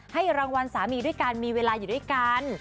ให้รางวัลสามีด้วยกันมีเวลาอยู่ด้วยกัน